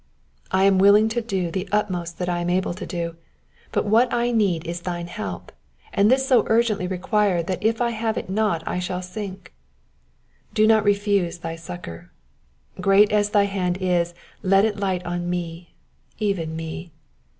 I am 'willing to do the utmost that I am able to do ; but what I need is thine help, and this is so urgently required that if I have it not I shall sink. Do not refuse thy succour. Great as thy hand is, let it light on me, even me.